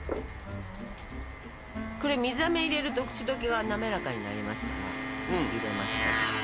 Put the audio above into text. これ水あめを入れると口溶けが滑らかになりますから入れましたと。